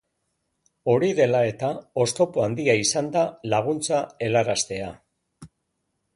Hori dela eta, oztopo handia izan da laguntza helaraztea.